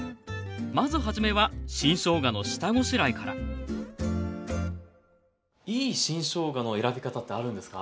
まずはじめは新しょうがの下ごしらえからいい新しょうがの選び方ってあるんですか？